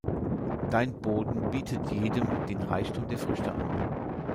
Dein Boden bietet jedem den Reichtum der Früchte an.